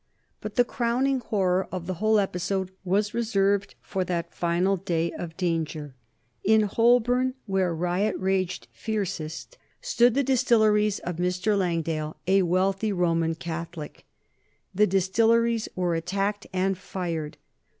But the crowning horror of the whole episode was reserved for that final day of danger. In Holborn, where riot raged fiercest, stood the distilleries of Mr. Langdale, a wealthy Roman Catholic. The distilleries were attacked and fired.